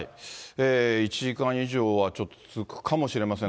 １時間以上はちょっと続くかもしれません。